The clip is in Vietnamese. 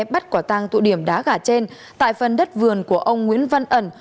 bắt quả tang tụ điểm đá gà trên tại phần đất vườn của ông nguyễn văn ẩn